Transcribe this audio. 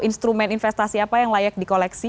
instrumen investasi apa yang layak di koleksi